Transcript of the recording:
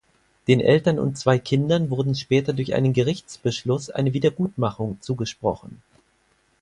Den Eltern und zwei Kindern wurden später durch einen Gerichtsbeschluss eine Wiedergutmachung zugesprochen.